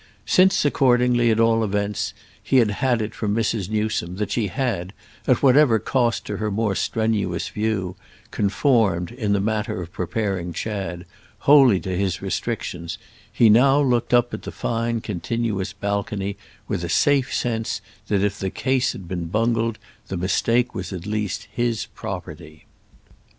Since, accordingly, at all events, he had had it from Mrs. Newsome that she had, at whatever cost to her more strenuous view, conformed, in the matter of preparing Chad, wholly to his restrictions, he now looked up at the fine continuous balcony with a safe sense that if the case had been bungled the mistake was at least his property.